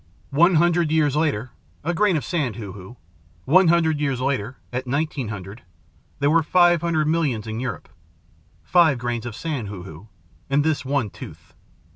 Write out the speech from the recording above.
One hundred years later a grain of sand, Hoo Hoo one hundred years later, at 1900, there were five hundred millions in Europe five grains of sand, Hoo Hoo, and this one tooth.